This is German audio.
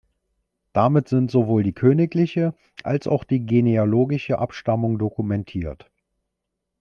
Damit sind sowohl die königliche als auch die genealogische Abstammung dokumentiert.